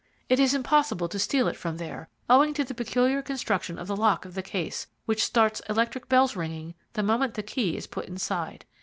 It is impossible to steal it from there, owing to the peculiar construction of the lock of the case, which starts electric bells ringing the moment the key is put inside.